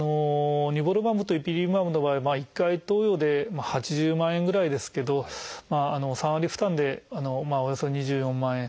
ニボルマブとイピリムマブの場合は１回投与で８０万円ぐらいですけど３割負担でおよそ２４万円。